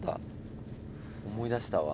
思い出したわ。